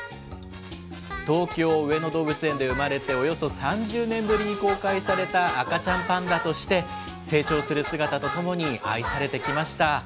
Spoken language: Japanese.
東京・上野動物園で生まれておよそ３０年ぶりに公開された赤ちゃんパンダとして、成長する姿とともに愛されてきました。